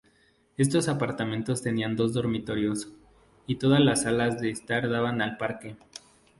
Estos apartamentos tenían dos dormitorios, y todas las salas de estar daban al parque.